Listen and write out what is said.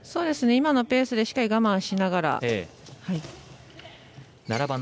今のペースでしっかり我慢しながら。